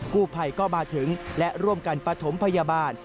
ผู้ภัยก็มาถึงและร่วมกันปฐมพยาบาล